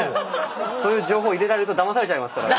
そういう情報入れられるとだまされちゃいますからね。